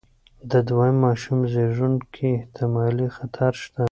د دویم ماشوم زېږون کې احتمالي خطر شته.